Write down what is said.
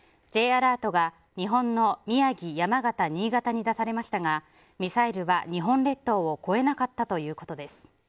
Ｊアラートが日本の宮城、山形新潟に出されましたがミサイルは日本列島を越えなかったということです。